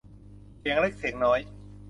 เสียงเล็กเสียงน้อย